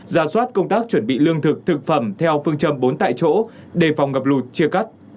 ra soát công tác chuẩn bị lương thực thực phẩm theo phương châm bốn tại chỗ đề phòng ngập lụt chia cắt